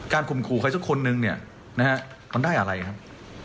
ข่มขู่ใครสักคนนึงเนี่ยนะฮะมันได้อะไรครับ